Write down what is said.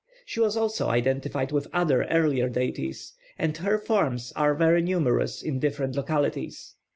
She was also identified with other earlier deities; and her forms are very numerous in different localities.